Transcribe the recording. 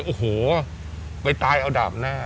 โอ้โหไปตายเอาดาบหน้า